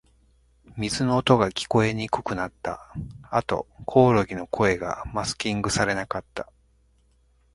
水の音が、聞こえにくくなった。あと、コオロギの声がマスキングされなかった。